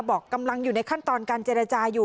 บอกกำลังอยู่ในขั้นตอนการเจรจาอยู่